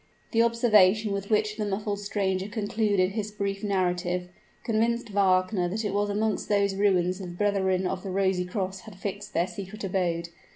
The observation with which the muffled stranger concluded his brief narrative, convinced Wagner that it was amongst those ruins the brethren of the Rosy Cross had fixed their secret abode.